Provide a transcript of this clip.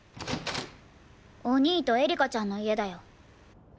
お兄とエリカちゃんの家だよ。